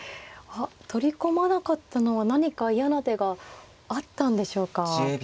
取り込まなかったのは何か嫌な手があったんでしょうか。